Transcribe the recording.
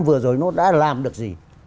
vừa rồi nó đã làm được gì